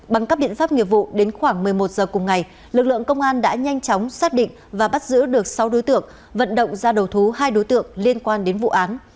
bằng các biện pháp nghiệp vụ đến khoảng một mươi một giờ cùng ngày lực lượng công an đã nhanh chóng xác định và bắt giữ được sáu đối tượng vận động ra đầu thú hai đối tượng liên quan đến vụ án